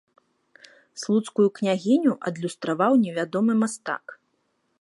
Слуцкую княгіню адлюстраваў невядомы мастак.